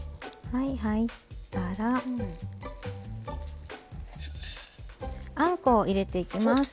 はい入ったらあんこを入れていきます。